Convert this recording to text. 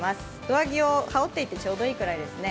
上着を羽織っていてちょうどいいぐらいですね。